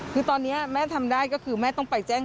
คือตอนนี้แม่ทำได้ก็คือแม่ต้องไปแจ้ง